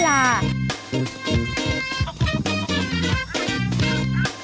ข้าวใส่ไทยสอบกว่าใครใหม่กว่าเดิมค่อยเมื่อล่า